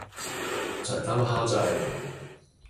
長洲蝦醬